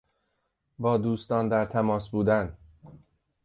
با دوستان در تماس بودن